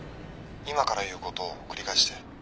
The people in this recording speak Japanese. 今から言うこと繰り返して。